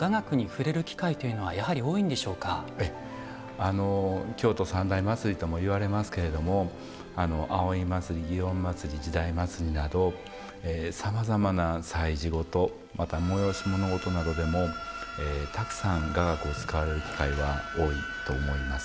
あの京都三大祭りともいわれますけれども葵祭園祭時代祭などさまざまな祭事ごとまた催し物ごとなどでもたくさん雅楽を使われる機会は多いと思います。